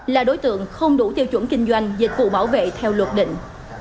là đối tượng không đủ tiêu chuẩn kinh doanh dịch vụ bảo vệ theo luật định